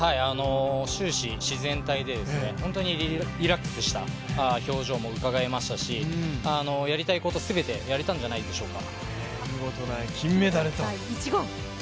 終始、自然体で、ホントにリラックスした表情もうかがえましたしやりたいこと全てやれたんじゃないでしょうか。